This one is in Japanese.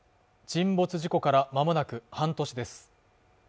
沈没事故からまもなく半年です